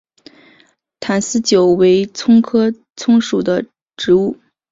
坛丝韭为葱科葱属的植物。